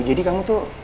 jadi kamu tuh